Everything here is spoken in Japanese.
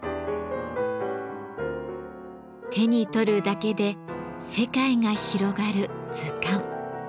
手に取るだけで世界が広がる図鑑。